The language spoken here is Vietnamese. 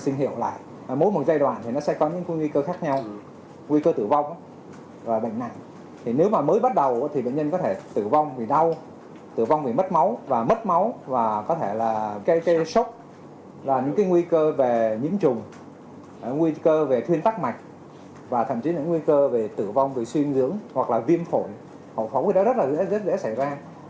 nguy cơ về nhiễm trùng nguy cơ về thuyên tắc mạch và thậm chí là nguy cơ về tử vong về suyên dưỡng hoặc là viêm phổn phổn phổn thì rất là dễ xảy ra